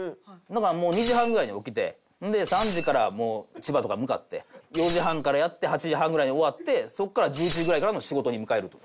だからもう２時半ぐらいに起きて３時からもう千葉とか向かって４時半からやって８時半ぐらいに終わってそこから１１時ぐらいからの仕事に向かえると。